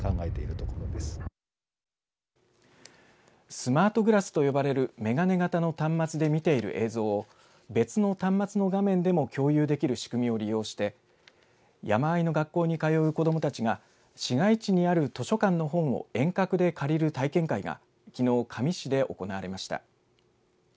スマートグラスと呼ばれる眼鏡型の端末で見ている映像を別の端末だめでも共有できる仕組みを利用して山あいの学校に通う子どもたちが市街地にある図書館の本を遠隔で借りる体験会がきのう、香美市で行われました。